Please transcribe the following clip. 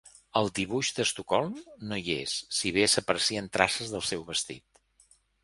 Al dibuix d'Estocolm no hi és, si bé s'aprecien traces del seu vestit.